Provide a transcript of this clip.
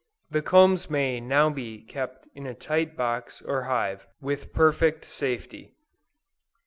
The combs may now be kept in a tight box or hive, with perfect safety.